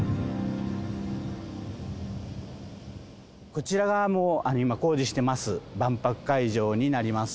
こちらがもう、今工事してます、万博会場になります。